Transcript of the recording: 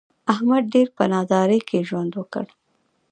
احمد ډېر په نادارۍ کې ژوند وکړ.